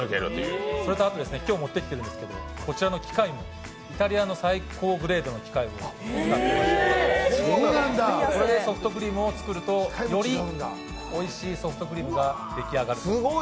それと今日持ってきてるんですけど、こちらの機械、イタリアの最高グレードの機械を使っていましてソフトクリームを作ると、よりおいしいソフトクリームが出来上がると。